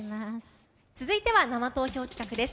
続いては生投票企画です。